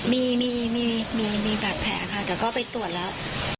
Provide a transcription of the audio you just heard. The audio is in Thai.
มีมีบาดแผลค่ะแต่ก็ไปตรวจแล้ว